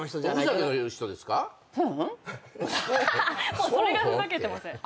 もうそれがふざけてません？